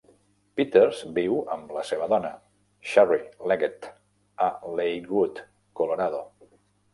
Peters viu amb la seva dona, Sherri Leggett, a Lakewood, Colorado.